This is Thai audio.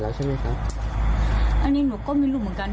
แล้วใช่ไหมคะอันนี้หนูก็ไม่รู้เหมือนกัน